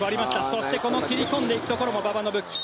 そしてこの切り込んでいくところも馬場の武器。